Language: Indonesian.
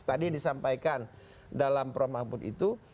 tadi disampaikan dalam promakbut itu